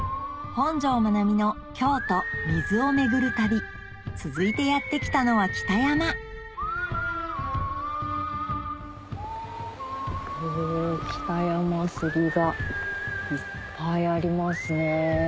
本上まなみの京都水を巡る旅続いてやって来たのは北山お北山杉がいっぱいありますね。